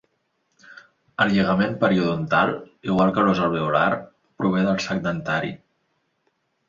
El lligament periodontal, igual que l'os alveolar, prové del sac dentari.